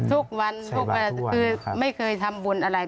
ทุกวันไม่เคยทำบุญอะไร